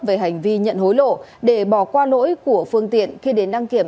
về hành vi nhận hối lộ để bỏ qua lỗi của phương tiện khi đến đăng kiểm